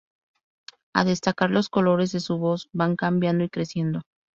A destacar los colores de su voz, van cambiando y creciendo.